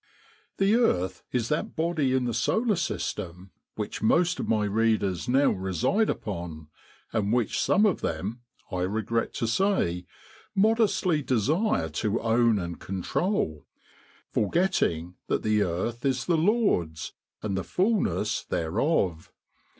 The earth is that body in the solar system which most of my readers now reside upon, and which some of them, I regret to say, modestly desire to own and control, forgetting that the earth is the Lord's, and the fullness thereof.